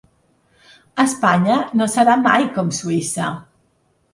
Espanya no serà mai com Suïssa.